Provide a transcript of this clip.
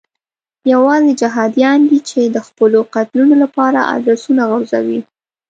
یوازې جهادیان دي چې د خپلو قتلونو لپاره ادرسونه غورځوي.